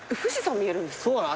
そうなの。